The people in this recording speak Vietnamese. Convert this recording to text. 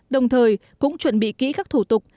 đồng thời cũng chuẩn bị kỹ các thủ tục